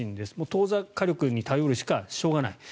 当座、火力に頼るしかしょうがない。